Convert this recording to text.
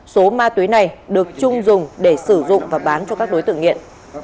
số ma túy này được trung dùng để sử dụng và bán cho các đối tượng nghiện